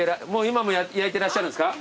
今も焼いてらっしゃるんですか？